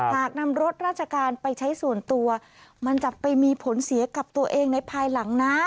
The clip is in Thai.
หากนำรถราชการไปใช้ส่วนตัวมันจะไปมีผลเสียกับตัวเองในภายหลังนะ